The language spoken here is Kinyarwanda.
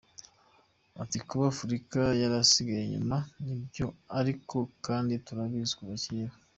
Ati “Kuba Afurika yarasigaye inyuma nibyo ariko kandi turabizi kuva kera.